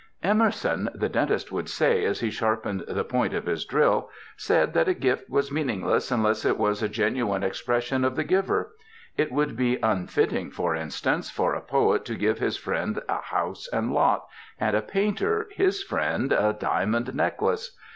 "Emerson," the dentist would say as he sharp ened the point of his drill, "said that a gift was meaningless unless it was a genuine expression of the giver; it would be unfitting, for instance, for a poet to give his friend a house and lot, and a painter, his friend, a diamond necklace.